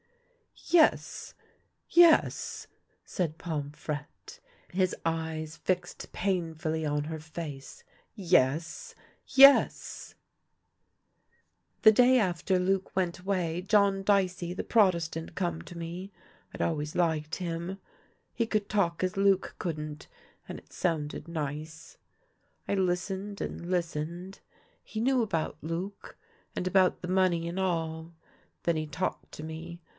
" Yes, yes," said Pomfrette, his eyes fixed painfully on her face ;" yes, yes !"*' The day after Luc went away John Dicey the Protestant come to me. Fd always liked him ; he could talk as Luc couldn't, and it sounded nice. I listened and listened. He knew about Luc and about the money and all. Then he talked to me.